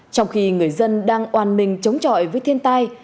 trong khi người dân đang oàn mình chống chọi với thiên tai